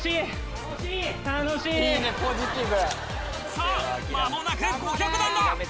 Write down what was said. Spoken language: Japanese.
さぁ間もなく５００段だ！